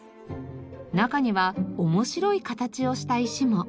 中には面白い形をした石も。